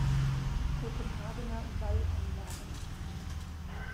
Kopenhagener Wallanlagen